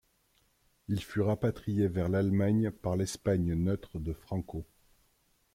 Il fut rapatrié vers l'Allemagne par l'Espagne neutre de Franco.